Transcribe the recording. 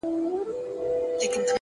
علم د ژوند لاره اسانه کوي!